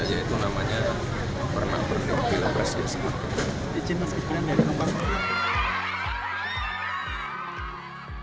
yaitu namanya pernah berdiri di lapres yang semakin